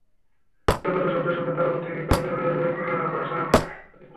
সৈকতে শব্দ শুনে তাঁরা মনে করেছিলেন, দিনের বেলায় কোথাও আতশবাজি শুরু হয়েছে।